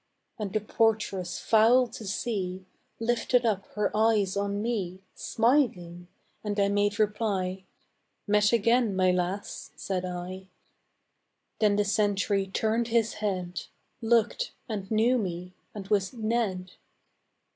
And the portress foul to see Lifted up her eyes on me Smiling, and I made reply: "Met again, my lass," said I. Then the sentry turned his head, Looked, and knew me, and was Ned.